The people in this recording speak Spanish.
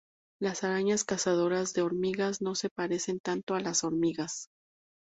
Las arañas cazadoras de hormigas no se parecen tanto a las hormigas.